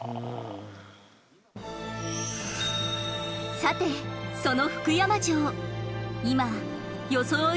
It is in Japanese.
さてその福山城今装い